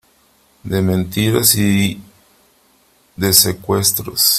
de mentiras y de secuestros .